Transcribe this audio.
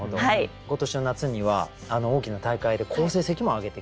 今年の夏には大きな大会で好成績も挙げてきましたもんね。